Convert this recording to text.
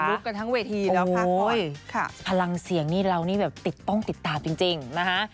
กันทั้งเวทีแล้วค่ะพลังเสียงนี่เรานี่แบบติดต้องติดตามจริงนะคะ